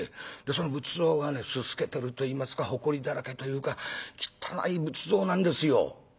その仏像がねすすけてるといいますかほこりだらけというか汚い仏像なんですよ」。